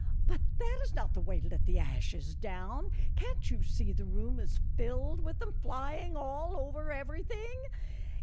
" But that is not the way to let the ashes down. Can't you see the room is filled with them, flying all over everything."